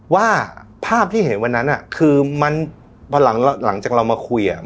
ว่าภาพที่เห็นวันนั้นคือมันพอหลังจากเรามาคุยอ่ะ